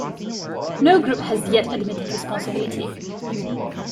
No group has yet admitted responsibility.